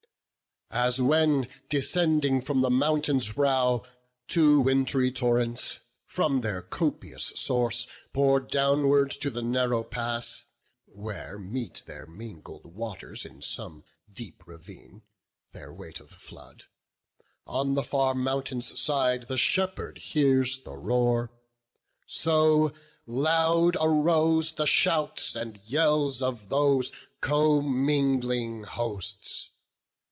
As when, descending from the mountain's brow, Two wintry torrents, from their copious source Pour downward to the narrow pass, where meet Their mingled waters in some deep ravine, Their weight of flood; on the far mountain's side The shepherd hears the roar; so loud arose The shouts and yells of those commingling hosts.